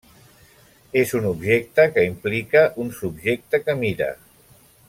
És un objecte que implica un subjecte que mira.